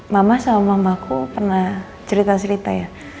mama sama mbak mbakku pernah cerita cerita ya